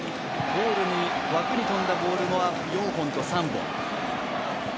ゴールに、枠に飛んだボールは４本と３本。